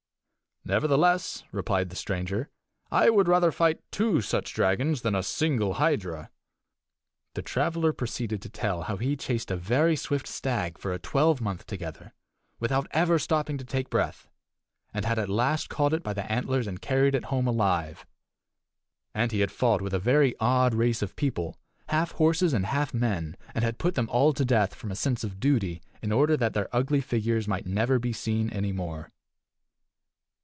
"Nevertheless," replied the stranger, "I would rather fight two such dragons than a single hydra." The traveler proceeded to tell how he chased a very swift stag for a twelvemonth together, without ever stopping to take breath, and had at last caught it by the antlers and carried it home alive. And he had fought with a very odd race of people, half horses and half men, and had put them all to death, from a sense of duty, in order that their ugly figures might never be seen any more.